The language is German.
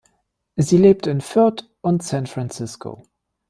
Sie lebt in Fürth und San Francisco.